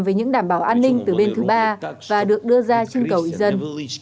với những đảm bảo an ninh từ bên thứ ba và được đưa ra trên cầu dân